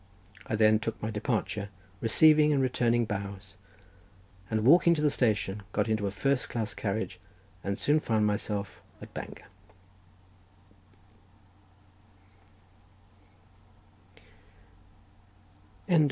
I then took my departure, receiving and returning bows, and walking to the station got into a first class carriage and soon found myself at Bangor.